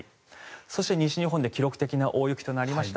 そして西日本で記録的な大雪となりました。